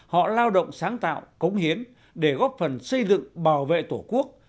họ lao động sáng tạo cống hiến để góp phần xây dựng bảo vệ tổ quốc